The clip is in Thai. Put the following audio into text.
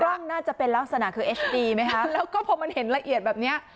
กล้องน่าจะเป็นลักษณะคือเอสดีไหมคะแล้วก็พอมันเห็นละเอียดแบบเนี้ย